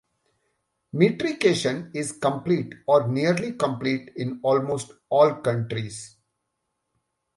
Metrication is complete or nearly complete in almost all countries.